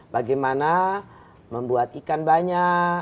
bagaimana membuat ikan banyak